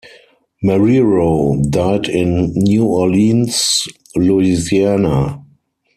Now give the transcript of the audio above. Marrero died in New Orleans, Louisiana.